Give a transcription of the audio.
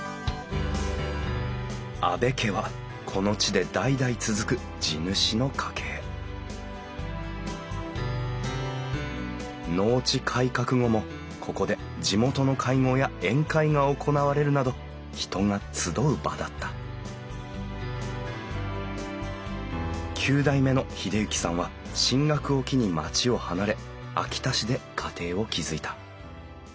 阿部家はこの地で代々続く地主の家系農地改革後もここで地元の会合や宴会が行われるなど人が集う場だった９代目の英之さんは進学を機に町を離れ秋田市で家庭を築いた。